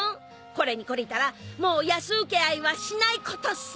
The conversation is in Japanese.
これに懲りたらもう安請け合いはしないことっすね。